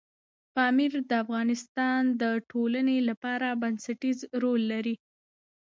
پامیر د افغانستان د ټولنې لپاره بنسټيز رول لري.